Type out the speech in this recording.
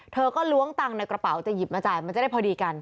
เธอก็ล้วงตังค์ในกระเป๋าจะหยิบมาจ่ายมันจะได้พอดีกัน